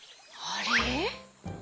あれ？